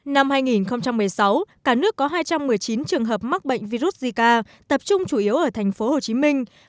năm hai nghìn một mươi sáu cả nước có hai trăm một mươi chín trường hợp mắc bệnh virus zika tập trung chủ yếu ở tp hcm